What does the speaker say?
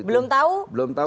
belum tahu dan tidak tahu